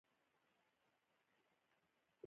ټپي ته باید د ذهن سکون ورکړو.